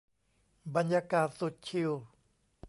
บรรยากาศสุดชิล